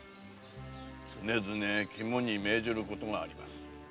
つねづね肝に銘じることがあります。